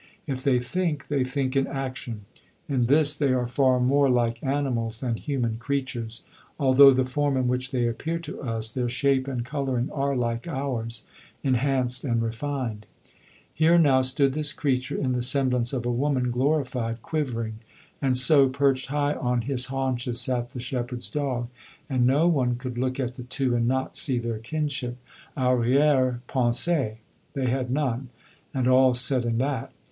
If they think, they think in action. In this they are far more like animals than human creatures, although the form in which they appear to us, their shape and colouring are like ours, enhanced and refined. Here now stood this creature in the semblance of a woman glorified, quivering; and so, perched high on his haunches, sat the shepherd's dog, and no one could look at the two and not see their kinship. Arrière pensée they had none and all's said in that.